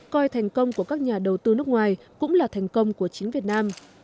coi thành công của các nhà đầu tư nước ngoài cũng là thành công của chính việt nam